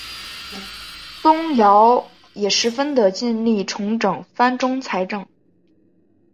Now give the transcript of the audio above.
宗尧也十分的尽力重整藩中财政。